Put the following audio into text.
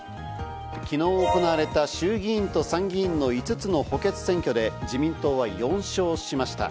昨日行われた衆議院と参議院の５つの補欠選挙で自民党は４勝しました。